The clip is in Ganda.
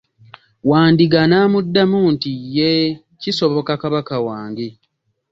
Wandiga n'amuddamu nti, yee, kisoboka kabaka wange.